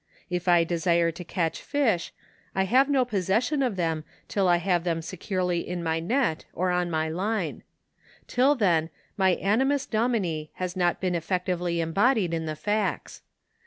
If I desire to catch fish, I have no possession of them till I have them seciu ely in my net or on my line. Till then my animus domini has not been effectively embodied in the facts.